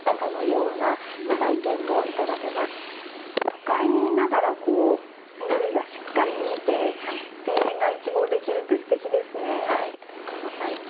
都会にいながら緑がしっかり見えて庭園が一望できるってすてきですね。